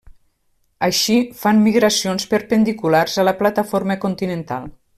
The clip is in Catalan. Així, fan migracions perpendiculars a la plataforma continental.